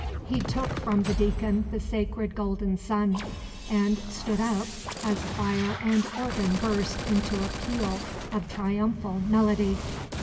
He took from the deacon the sacred golden sun; and stood up, as choir and organ burst into a peal of triumphal melody.